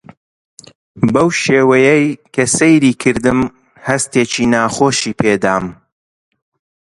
بەو شێوەیەی کە سەیری کردم هەستێکی ناخۆشی پێ دام.